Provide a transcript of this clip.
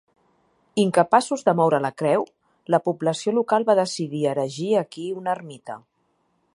Incapaços de moure la creu, la població local va decidir erigir aquí una ermita.